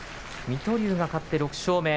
水戸龍が勝って６勝目。